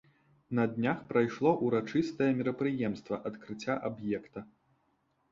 На днях прайшло ўрачыстае мерапрыемства адкрыцця аб'екта.